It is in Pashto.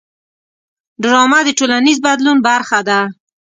ډرامه د ټولنیز بدلون برخه ده